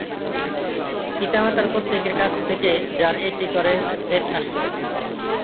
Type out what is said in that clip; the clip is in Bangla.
পিতামাতার প্রত্যেকের কাছ থেকে যার একটি করে সেট আসে।